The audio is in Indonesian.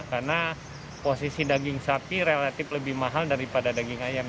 karena posisi daging sapi relatif lebih mahal daripada daging ayam